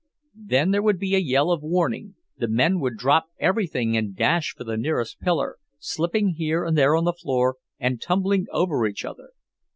Then there would be a yell of warning—the men would drop everything and dash for the nearest pillar, slipping here and there on the floor, and tumbling over each other.